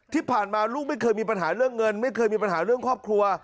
ที่ผ่านมาลูกไม่เคยมีปัญหาเรื่องเงินไม่เคยมีปัญหาเรื่องครอบครัว